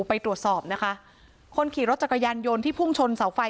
ไปตรวจสอบนะคะคนขี่รถจักรยานยนต์ที่พุ่งชนเสาไฟ